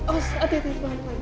os hati hati pelan pelan